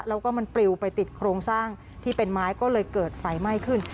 แล้วก็มันปลิวไปติดโครงสร้างที่เป็นไม้ก็เลยเกิดไฟไหม้ขึ้น